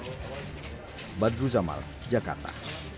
jangan lupa like share dan subscribe